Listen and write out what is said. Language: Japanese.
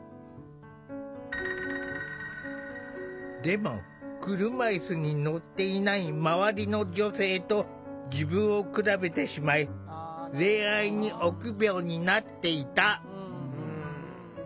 でも、車いすに乗っていない周りの女性と自分を比べてしまい恋愛に臆病になっていた。